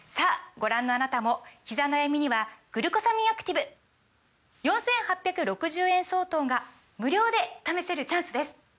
ご覧のあなたもひざ悩みには「グルコサミンアクティブ」４，８６０円相当が無料で試せるチャンスです！